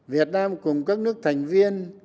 việt nam cùng các nước thành viên